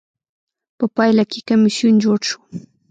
په پایله کې کمېسیون جوړ شو.